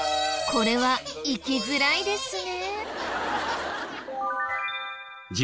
これは行きづらいですね。